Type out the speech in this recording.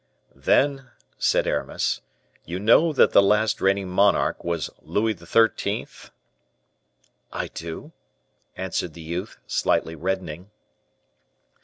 "Then," said Aramis, "you know that the last reigning monarch was Louis XIII.?" "I do," answered the youth, slightly reddening.